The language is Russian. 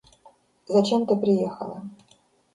Зачем ты приехала?